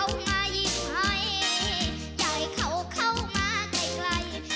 กระซิบอะไรก็ได้ในใจนู้นเยอะ